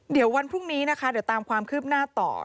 เดี๋ยววันพรุ่งนี้นะคะเดี๋ยวตามความคืบหน้าต่อ